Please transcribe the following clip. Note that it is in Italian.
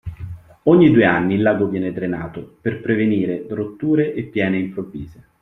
Ogni due anni il lago viene drenato per prevenire rotture e piene improvvise.